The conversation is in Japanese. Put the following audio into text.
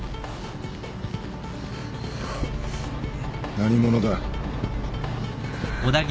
何者だ？